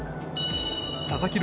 佐々木朗